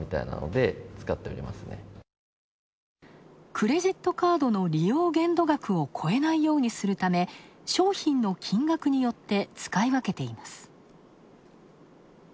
クレジットカードの利用限度額を超えないようにするため、商品の金額によって使い分けています。